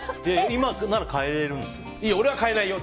今なら変えられるんですよ。